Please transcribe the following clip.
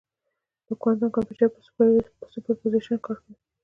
د کوانټم کمپیوټر په سوپرپوزیشن کار کوي.